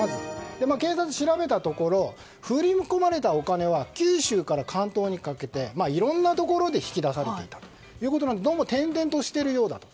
警察、調べたところ振り込まれたお金は九州から関東にかけていろんなところで引き出されていたので転々としているようだと。